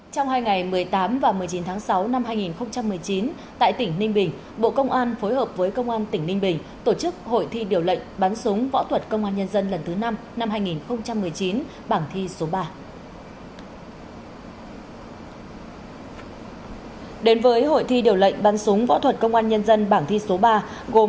trong hai ngày một mươi tám và một mươi chín tháng sáu năm hai nghìn một mươi chín tại tỉnh ninh bình bộ công an phối hợp với công an tỉnh ninh bình tổ chức hội thi điều lệnh bắn súng võ thuật công an nhân dân lần thứ năm năm hai nghìn một mươi chín bảng thi số ba